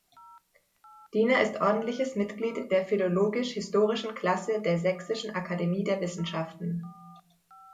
Diner ist ordentliches Mitglied der philologisch-historischen Klasse der Sächsischen Akademie der Wissenschaften.